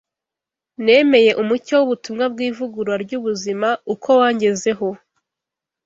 Nemeye umucyo w’ubutumwa bw’ivugurura ry’ubuzima uko wangezeho.